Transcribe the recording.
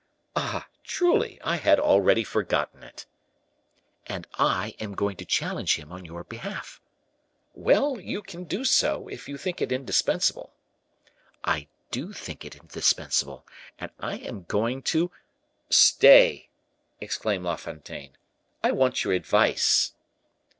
"Ah, truly! I had already forgotten it." "And I am going to challenge him on your behalf." "Well, you can do so, if you think it indispensable." "I do think it indispensable, and I am going to " "Stay," exclaimed La Fontaine, "I want your advice."